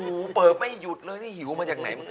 หูเปิดไม่หยุดเลยนี่หิวมาจากไหน